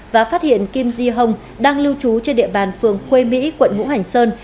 và phát hiện kim yi hong đang lưu trú trên địa bàn phường khuê mỹ quận ngũ hành sơn